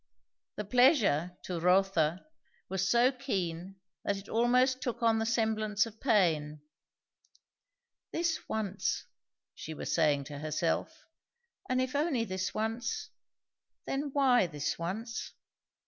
The pleasure, to Rotha, was so keen that it almost took on the semblance of pain. "This once," she was saying to herself; "and if only this once, then why this once?"